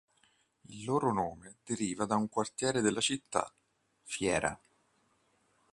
Il loro nome deriva da un quartiere della città, Fiera.